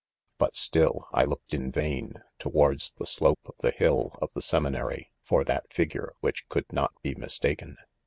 ; But still, I looked in vain, towards the slope ; of : the* hill of the seminary, for that figure, which could not be mistaken.